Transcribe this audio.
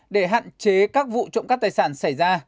để hạn chế các vụ trộm cắp tài sản xảy ra